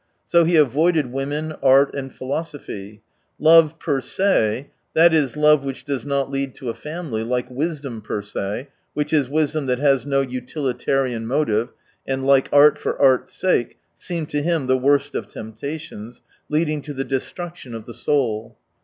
So he avoided women, art, and philosophy. Love pet se, that is, love which does not lead to a family, like wisdom per se, which is wisdom that has no utilitarian motive, and like art for art's sake, seemed to him the worst of temptations, leading to the destruction of the soul.